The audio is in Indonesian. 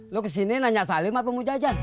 lo kesini nanya salim apa mau jajan